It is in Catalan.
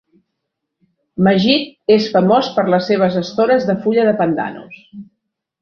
Mejit és famós per les seves estores de fulla de pandanus.